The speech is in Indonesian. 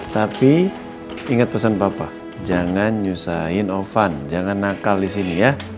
tapi ingat pesan bapak jangan nyusahin ovan jangan nakal di sini ya